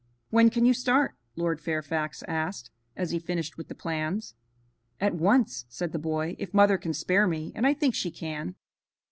"When can you start?" Lord Fairfax asked, as he finished with the plans. "At once," said the boy, "if mother can spare me, and I think she can."